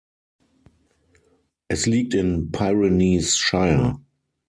Es liegt in Pyrenees Shire.